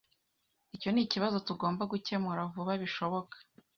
Icyo nikibazo tugomba gukemura vuba bishoboka.